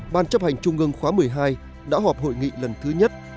ban chấp hành trung ương khóa một mươi hai đã họp hội nghị lần thứ nhất